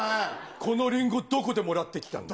このリンゴどこでもらってきたんだよ。